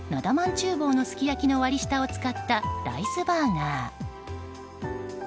厨房のすき焼きの割り下を使ったライスバーガー。